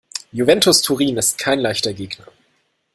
Juventus Turin ist kein leichter Gegner.